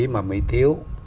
mà mỹ thiếu